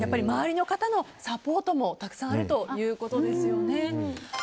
周りの方のサポートもたくさんあるということですよね。